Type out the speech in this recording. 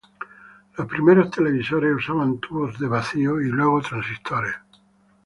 Los primeros televisores usaban tubos al vacío y luego transistores.